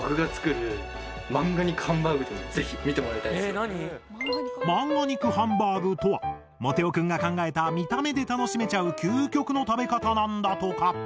え何⁉マンガ肉ハンバーグとはモテお君が考えた見た目で楽しめちゃう究極の食べかたなんだとか。